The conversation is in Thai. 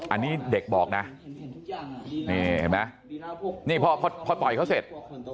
อันนี้เด็กบอกนะนี่เห็นไหมนี่พอต่อยเขาเสร็จ